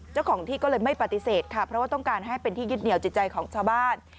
เจ้าของที่ก็เลยไม่ปฏิเสธค่ะเพราะว่าต้องการให้เป็นที่ยึดเหนียวจิตใจของชาวบ้าน